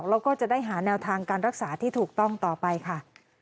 แล้วก็จะได้หาแนวทางการรักษาที่ถูกต้องต่อไปค่ะ